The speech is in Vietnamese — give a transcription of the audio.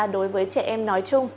đối với trẻ em nói chung